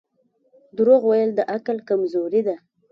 • دروغ ویل د عقل کمزوري ده.